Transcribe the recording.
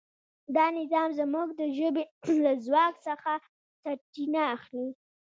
دا نظام زموږ د ژبې له ځواک څخه سرچینه اخلي.